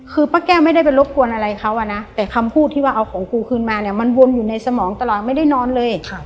คือป้าแก้วไม่ได้ไปรบกวนอะไรเขาอะนะแต่คำพูดที่ว่าเอาของกูคืนมาเนี่ยมันวนอยู่ในสมองตลอดไม่ได้นอนเลย